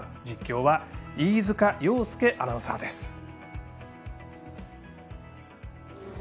実況は飯塚洋介アナウンサーです。